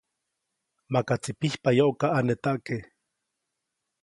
Makaʼtsi pijpayoʼkaʼanetaʼke.